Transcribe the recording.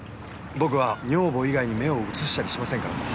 僕は女房以外に目を移したりしませんからと。